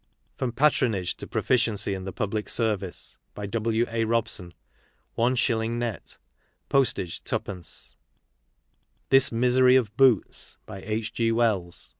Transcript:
FROM PATRONAGE TO PROFICIENCY IN THE PUBUC SERVICE. By W. A. ^ ROBSON. IS. net ; postage ad. THIS MISEBY OF BOOTS. By H. G. Wells.